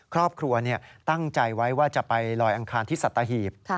ครอบครัวตั้งใจไว้ว่าจะไปลอยอังคารที่สัตหีบ